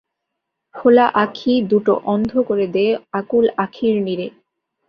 খোলা আঁখি দুটো অন্ধ করে দে আকুল আঁখির নীরে।